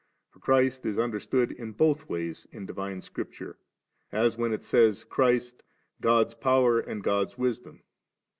For Christ is understood in both ways in Divine Scriptiure, as when it says Christ * God's power and God's wisdom 5.